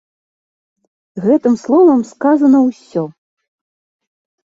Гэтым словам сказана ўсё.